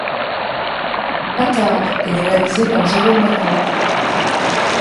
Patard, et réalisée par Jérôme Navarro.